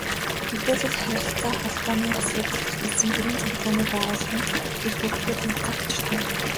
Мэдээлэл, харилцаа холбооны асуудал эрхэлсэн төрийн захиргааны байгууллагын эрх үүрэгтэй танилцах учиртай.